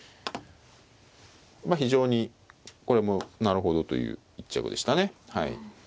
まあ非常にこれもなるほどという一着でしたね。